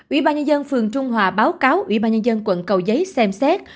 ủy ban nhân dân phường trung hòa báo cáo ủy ban nhân dân quận cầu giấy xem xét